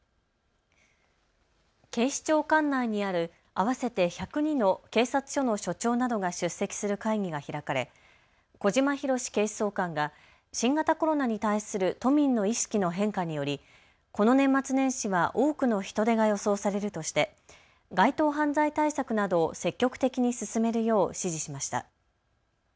警視庁管内にある合わせて１０２の警察署の署長などが出席する会議が開かれ小島裕史警視総監が新型コロナに対する都民の意識の変化によりこの年末年始は多くの人出が予想されるとして街頭犯罪対策などを積極的に進めるよう指示しました。